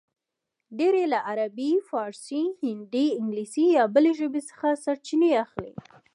ډېر یې له عربي، فارسي، هندي، انګلیسي یا بلې ژبې څخه سرچینې اخلي